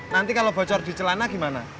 nanti kalau bocor di celana gimana